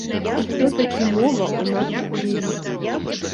Усё-такі мова ў нас у крыві.